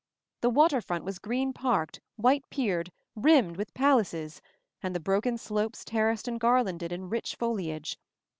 The water front was green parked, white piered, rimmed with palaces, and the broken slopes terraced and garlanded in rich fol iage.